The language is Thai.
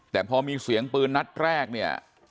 แต่พอมีเสียงปืนนัดแรกเนี่ย